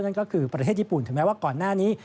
นั่นก็คือประเทศญี่ปุ่นถึงแม้ว่าก่อนหน้านี้